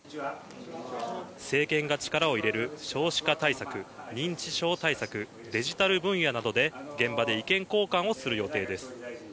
政権が力を入れる少子化対策、認知症対策、デジタル分野などで、現場で意見交換をする予定です。